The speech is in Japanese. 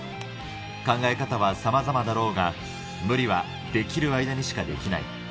考え方はさまざまだろうが、無理はできる間にしかできない。